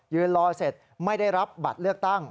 รอเสร็จไม่ได้รับบัตรเลือกตั้ง